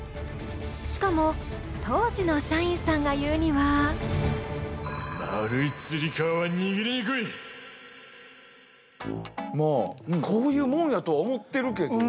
しかも当時の社員さんが言うにはまあこういうもんやと思ってるけど。